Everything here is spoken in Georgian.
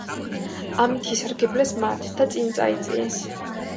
ამით ისარგებლეს მათ და წინ წაიწიეს.